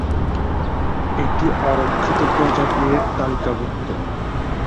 এটি অরক্ষিত প্রজাতি এর তালিকাভুক্ত।